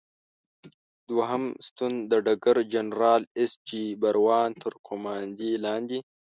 دوهم ستون د ډګر جنرال ایس جې براون تر قوماندې لاندې.